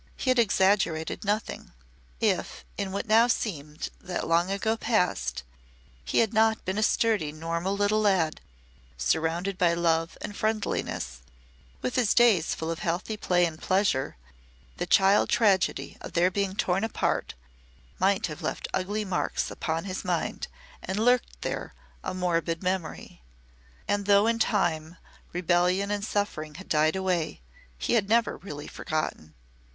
He had exaggerated nothing. If, in what now seemed that long ago past, he had not been a sturdy, normal little lad surrounded by love and friendliness, with his days full of healthy play and pleasure, the child tragedy of their being torn apart might have left ugly marks upon his mind, and lurked there, a morbid memory. And though, in time, rebellion and suffering had died away, he had never really forgotten.